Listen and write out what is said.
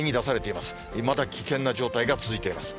いまだ危険な状態が続いています。